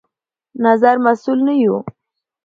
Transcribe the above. نظر مسوول نه يو